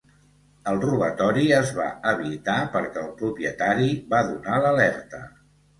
El robatori es va evitar perquè el propietari va donar l'alerta.